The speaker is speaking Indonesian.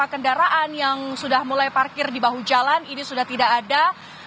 kendaraan yang sudah mulai parkir di bahu jalan ini sudah tidak ada